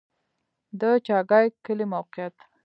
د چاګای کلی موقعیت